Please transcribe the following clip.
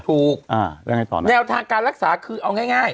ถูกอ่าแล้วไงต่อไหมแนวทางการรักษาคือเอาง่ายง่าย